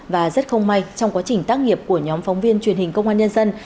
và rất không may trong quá trình tác nghiệp của nhóm phóng viên truyền hình công an nhân dân